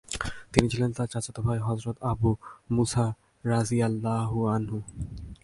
তিনি ছিলেন তাঁর চাচাত ভাই হযরত আবু মুসা রাযিয়াল্লাহু আনহু।